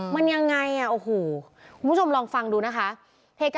มันยังไงอ่ะโอ้โหคุณผู้ชมลองฟังดูนะคะ